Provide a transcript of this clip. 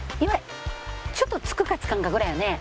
ちょっとつくかつかんかぐらいよね。